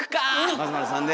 松丸さんで。